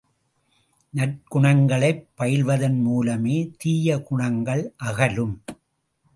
நற்குணங்களைப் பயில்வதன் மூலமே தீய குணங்கள் அகலும்.